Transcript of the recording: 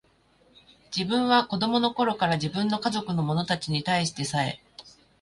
自分は子供の頃から、自分の家族の者たちに対してさえ、